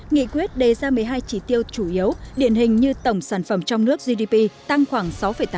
nghị quyết đề ra một mươi hai chỉ tiêu chủ yếu điển hình như tổng sản phẩm trong nước gdp tăng khoảng sáu tám